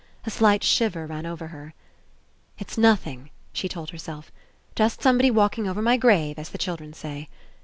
A slight shiver ran over her. "It's nothing," she told herself. "Just somebody walking over my grave, as the chil dren say."